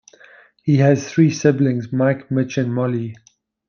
He has three siblings: Mike, Mitch and Molly.